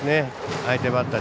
相手バッター